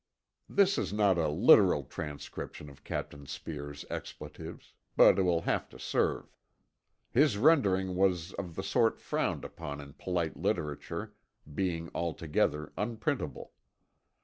This is not a literal transcription of Captain Speer's expletives, but it will have to serve. His rendering was of the sort frowned upon in polite literature, being altogether unprintable.